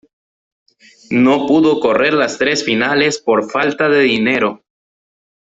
No pudo correr las tres finales por falta de dinero.